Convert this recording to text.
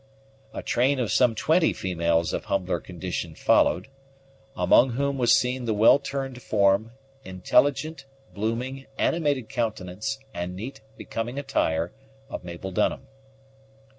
A train of some twenty females of humbler condition followed, among whom was seen the well turned form, intelligent, blooming, animated countenance, and neat, becoming attire of Mabel Dunham.